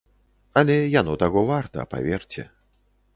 Але яно таго варта, паверце.